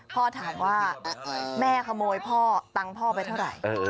พ่อถามว่าแม่ขโมยพ่อตังค์พ่อไปเท่าไหร่